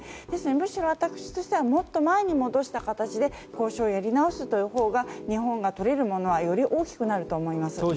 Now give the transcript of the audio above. ですので、むしろ私としてはもっと前に戻した形で交渉をやり直すほうが日本がとれるものはより大きくなると思います。